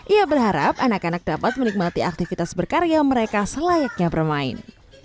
ia berharap anak anak dapat menikmati aktivitas berkarya mereka selayaknya bermain